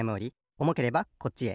おもければこっち。